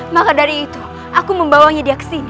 maka dari itu aku membawanya dia kesini